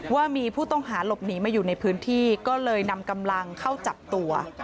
ว่ามีผู้ต้องหาหลบหนีมาอยู่ในพื้นที่ก็เลยนำกำลังเข้าจับตัว